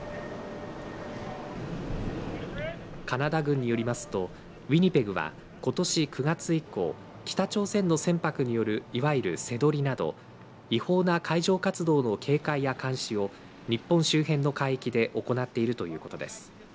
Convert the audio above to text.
カナダ軍によりますとウィニペグはことし９月以降北朝鮮の船舶によるいわゆる瀬取りなど違法な海上活動の警戒や監視を日本周辺の海域で行っているということです。